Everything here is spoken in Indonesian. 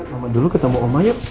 mama dulu ketemu oma ya